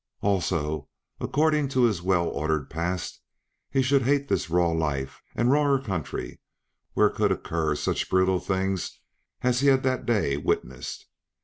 Also, according to his well ordered past, he should hate this raw life and rawer country where could occur such brutal things as he had that day witnessed.